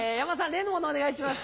例のものお願いします。